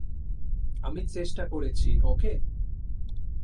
আমি চেষ্টা করছি, ওকে?